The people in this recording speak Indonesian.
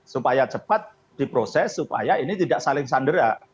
supaya cepat diproses supaya ini tidak saling sandera